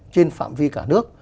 trên phạm vi cả nước